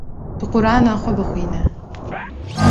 Tu Qur’ana xwe bixwîne